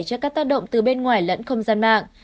cho các tác động từ bên ngoài lẫn không gian mạng